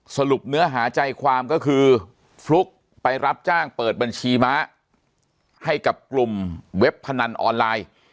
สรุปเนื้อหาใจความก็คือฟลุ๊กไปรับจ้างเปิดบัญชีม้าให้กับกลุ่มเว็บพนันออนไลน์